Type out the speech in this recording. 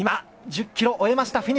１０ｋｍ、終えました。